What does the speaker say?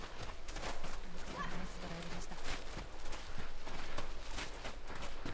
相手がナイスドライブでした。